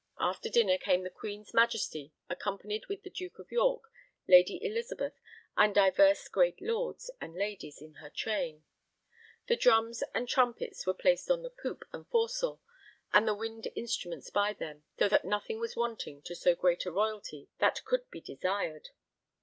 After dinner came the Queen's Majesty, accompanied with the Duke of York, Lady Elizabeth, and divers great lords and ladies in her train. The drums and trumpets [were] placed on poop and forecastle and the wind instruments by them, so that nothing was wanting to so great a royalty that could be desired.